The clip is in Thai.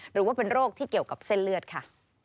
หรือว่าเป็นโรคที่เกี่ยวกับเส้นเลือดค่ะ